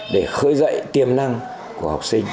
để khởi dậy tiềm năng của học sinh